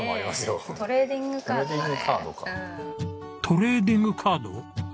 トレーディングカード？